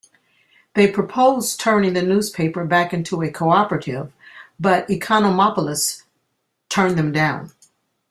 They proposed turning the newspaper back into a cooperative, but Ekonomopoulos turned them down.